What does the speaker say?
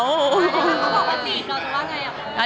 ต้องบอกเขาจีบเราจะว่าไงอะ